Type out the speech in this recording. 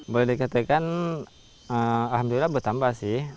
boleh dikatakan alhamdulillah bertambah sih